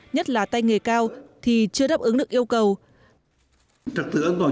nhất là tay nghề cao thì chưa đáp ứng được yêu cầu